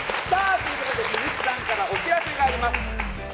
続いて鈴木さんからお知らせがあります。